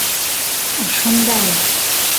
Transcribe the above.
Ыш ондале.